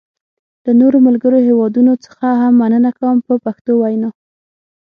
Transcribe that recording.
له نورو ملګرو هېوادونو څخه هم مننه کوم په پښتو وینا.